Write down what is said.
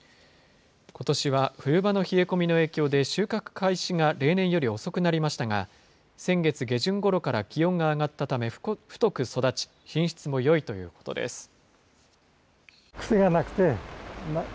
ことしは冬場の冷え込みの影響で、収穫開始が例年より遅くなりましたが、先月下旬ごろから気温が上がったため太く育ち、品質もよいということです。